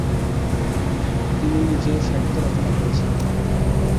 তিনি নিজেও সাহিত্য রচনা করেছেন।